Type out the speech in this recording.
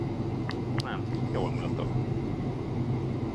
Nem, jól mulatok.